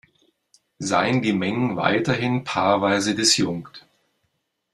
Seien die Mengen weiterhin paarweise disjunkt.